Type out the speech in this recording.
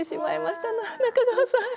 中川さん。